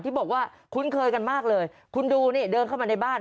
ที่บอกว่าคุ้นเคยกันมากเลยคุณดูนี่เดินเข้ามาในบ้าน